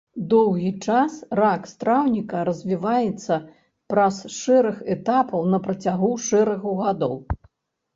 Доўгі час рак страўніка развіваецца праз шэраг этапаў на працягу шэрагу гадоў.